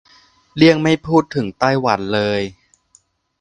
เลี่ยงไม่พูดถึงไต้หวันเลย